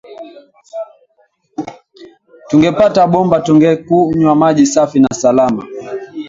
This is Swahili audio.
Tungepata bomba tungekunywa maji safi na salama.